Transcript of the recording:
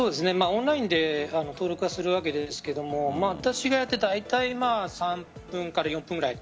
オンラインで登録はするわけですが私がやってだいたい３分から４分くらい。